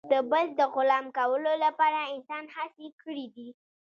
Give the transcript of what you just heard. د بل د غلام کولو لپاره انسان هڅې کړي دي.